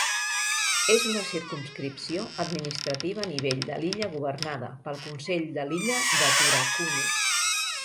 És una circumscripció administrativa a nivell de l'illa governada pel Consell de l'illa de Thuraakunu.